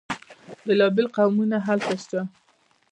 بیلا بیل قومونه هلته شته.